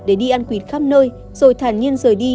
để đi ăn quỵt khắp nơi rồi thàn nhiên rời đi